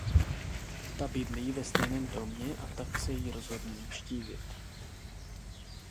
Ta bydlí ve stejném domě a tak se jí rozhodne navštívit.